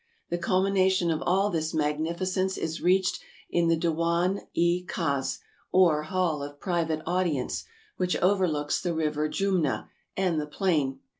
The culmination of all this magnificence is reached in the Dewan i Khas, or Hall of Private Audience, which overlooks the river Jumna and the plain.